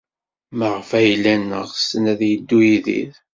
Maɣef ay llan ɣsen ad yeddu Yidir?